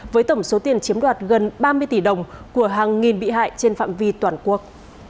với tổng số tiền chiếm đoạt gần ba mươi tỷ đồng của hàng nghìn bị hại trên phạm vi toàn quốc